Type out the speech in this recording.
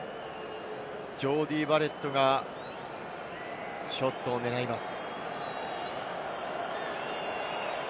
ジョーディー・バレットがショットを狙います。